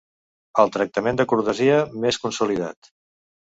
El tractament de cortesia més consolidat.